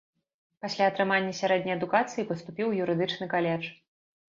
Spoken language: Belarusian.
Пасля атрымання сярэдняй адукацыі паступіў у юрыдычны каледж.